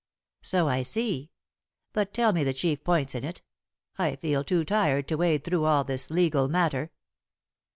"So I see. But tell me the chief points in it. I feel too tired to wade through all this legal matter."